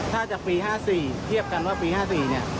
ถ้าจากปี๕๔เทียบกันว่าปี๕๔เนี่ย